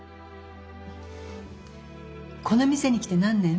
この店に来て何年？